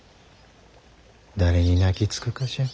誰に泣きつくかしゃん？